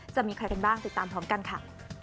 จะมีใครกันบ้างติดตามพร้อมกันค่ะ